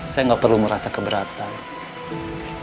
saya nggak perlu merasa keberatan